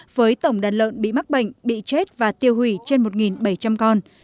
với tổng đàn lợn bị mắc bệnh bị chết và tiêu hủy trên một bảy trăm linh con